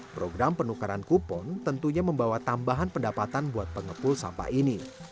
program penukaran kupon tentunya membawa tambahan pendapatan buat pengepul sampah ini